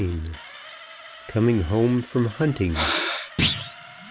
COMING HOME FROM HUNTING.